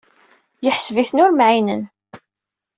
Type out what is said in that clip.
Yeḥseb-iten ur mɛinen.